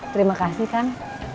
terima kasih kang